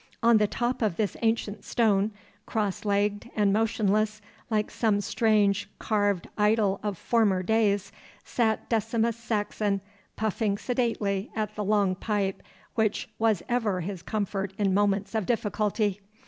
On the top of this ancient stone, cross legged and motionless, like some strange carved idol of former days, sat Decimus Saxon, puffing sedately at the long pipe which was ever his comfort in moments of difficulty.